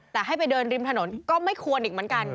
แต่ให้ไปเดินริมถนนก็ไม่ควรอีกเหมือนกัน